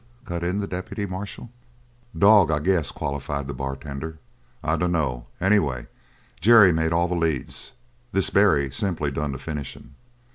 cut in the deputy marshal. "Dog, I guess," qualified the bartender. "I dunno. Anyway, Jerry made all the leads; this Barry simply done the finishing.